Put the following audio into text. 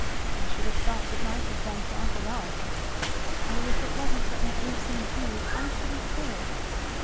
I should have thought it might have been for uncle Rolf. O if it wasn't for aunt Lucy and Hugh I shouldn't care!